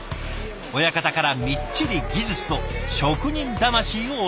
親方からみっちり技術と職人魂を教わりました。